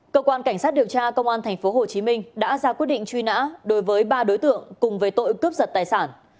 cơ quan cảnh sát điều tra công an tp hcm đã ra quyết định truy nã đối với ba đối tượng cùng với tội cướp giật tài sản